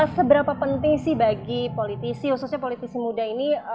seberapa penting sih bagi politisi khususnya politisi muda ini